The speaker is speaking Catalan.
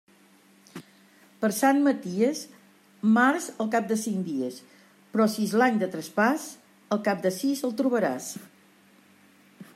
Per Sant Maties, març al cap de cinc dies, però si és l'any de traspàs, al cap de sis el trobaràs.